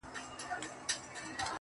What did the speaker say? • قاضي صاحبه ملامت نه یم بچي وږي وه.